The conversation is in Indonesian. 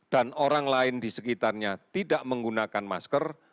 dan orang lain di sekitarnya tidak menggunakan masker